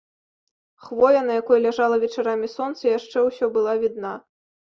Хвоя, на якой ляжала вечарамі сонца, яшчэ ўсё была відна.